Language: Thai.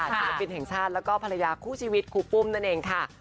ศิลปินแห่งชาติแล้วก็ภรรยาคู่ชีวิตครูปุ้มนั่นเองค่ะ